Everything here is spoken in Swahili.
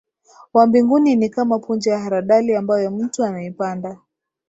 wa mbinguni ni kama punje ya haradali ambayo mtu anaipanda